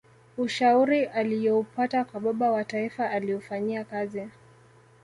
ushauri aliyoupata kwa baba wa taifa aliufanyia kazi